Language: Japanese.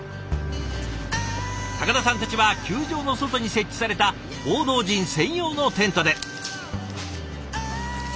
高田さんたちは球場の外に設置された報道陣専用のテントで。